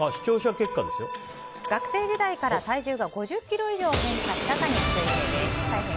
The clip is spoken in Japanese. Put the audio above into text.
学生時代から体重が５０ｋｇ以上変化したかについて。